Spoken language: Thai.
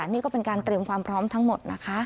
นี่ก็เป็นการเตรียมความพร้อมทั้งหมดนะคะ